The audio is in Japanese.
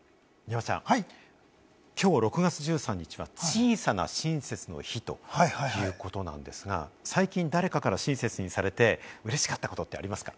山ちゃん、きょう６月１３日は、小さな親切の日ということなんですが、最近、誰かから親切にされて嬉しかったことってありますか？